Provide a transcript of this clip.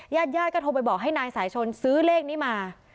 ญาติญาติก็โทรไปบอกให้นายสายชนซื้อเลขนี้มา